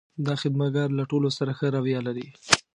دا خدمتګر له ټولو سره ښه رویه لري.